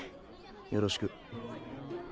よろしく。